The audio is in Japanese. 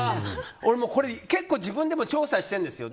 俺もうこれ自分でも調査してるんですよ。